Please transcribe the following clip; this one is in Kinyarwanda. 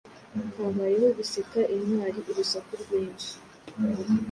Habayeho guseka intwari urusaku rwinshi